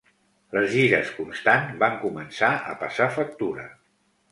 Les gires constants van començar a passar factura.